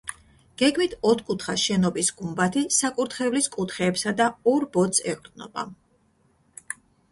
გეგმით ოთხკუთხა შენობის გუმბათი საკურთხევლის კუთხეებსა და ორ ბოძს ეყრდნობა.